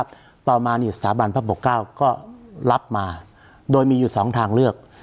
ต่อมานี่สถาบันพระปกเก้าก็รับมาโดยมีอยู่สองทางเลือก